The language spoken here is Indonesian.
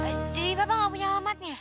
jadi bapak gak punya alamatnya